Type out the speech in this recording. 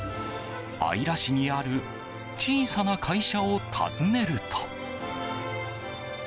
姶良市にある小さな会社を訪ねると。